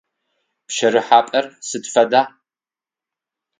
Пщэрыхьапӏэр сыд фэда?